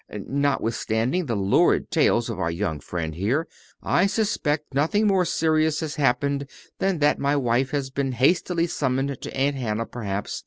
Notwithstanding the lurid tales of our young friends here, I suspect nothing more serious has happened than that my wife has been hastily summoned to Aunt Hannah, perhaps.